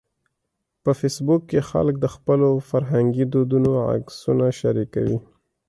په فېسبوک کې خلک د خپلو فرهنګي دودونو عکسونه شریکوي